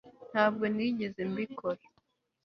Ntabwo nigeze mbikora